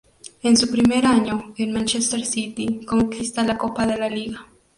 En su primer año en Manchester City conquista la Copa de la Liga.